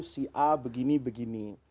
si a begini begini